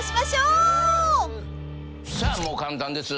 さあもう簡単です。